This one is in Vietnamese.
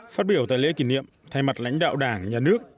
phát biểu tại lễ kỷ niệm thay mặt lãnh đạo đảng nhà nước